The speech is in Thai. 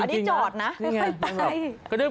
อันนี้จอดนะไม่ไปใต้